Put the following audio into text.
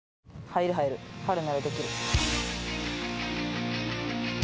入る入るはるならできる